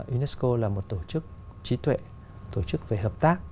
unesco là một tổ chức trí tuệ tổ chức về hợp tác